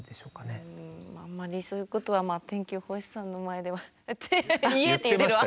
あんまりそういうことは天気予報士さんの前ではって言えって言ってるわ。